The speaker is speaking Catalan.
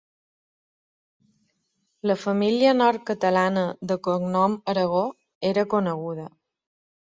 La família nord-catalana de cognom Aragó era coneguda.